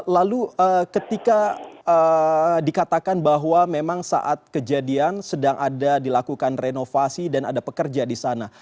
lalu ketika dikatakan bahwa memang saat kejadian sedang ada dilakukan renovasi dan ada pekerja di sana